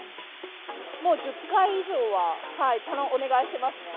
もう１０回以上は、たぶんお願いしてますね。